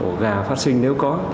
những ổ gà phát sinh nếu có